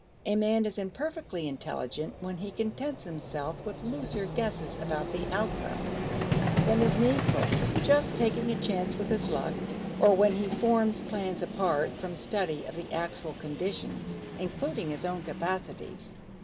A man is imperfectly intelligent when he contents himself with looser guesses about the outcome than is needful, just taking a chance with his luck, or when he forms plans apart from study of the actual conditions, including his own capacities.